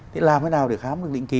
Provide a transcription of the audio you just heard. thì làm thế nào để khám được định kỳ